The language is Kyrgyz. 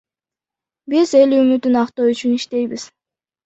Биз эл үмүтүн актоо үчүн иштейбиз.